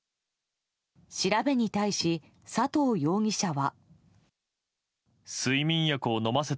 調べに対し、佐藤容疑者は。